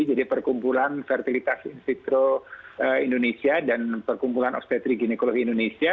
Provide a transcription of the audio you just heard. jadi perkumpulan fertilitas institro indonesia dan perkumpulan okspetri ginekologi indonesia